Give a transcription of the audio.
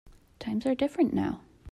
Times are different now.